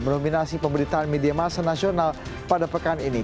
menominasi pemberitaan media masa nasional pada pekan ini